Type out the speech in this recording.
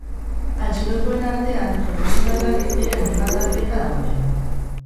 Atxilotuen artean profesionalak ez diren hainbat atleta daude.